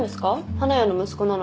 花屋の息子なのに。